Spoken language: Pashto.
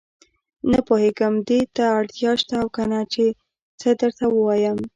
نه پوهېږم دې ته اړتیا شته او کنه چې څه درته ووايم.